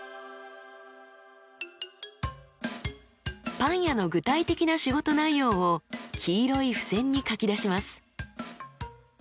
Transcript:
パン屋の具体的な仕事内容を黄色い付箋に書き出します。